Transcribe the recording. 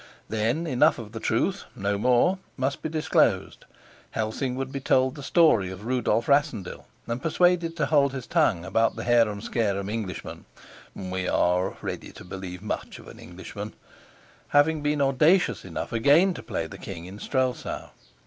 Then enough of the truth no more must be disclosed. Helsing would be told the story of Rudolf Rassendyll and persuaded to hold his tongue about the harum scarum Englishman (we are ready to believe much of an Englishman) having been audacious enough again to play the king in Strelsau.